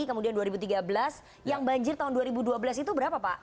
kemudian dua ribu tiga belas yang banjir tahun dua ribu dua belas itu berapa pak